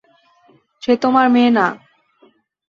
সে তোমার মেয়ে না।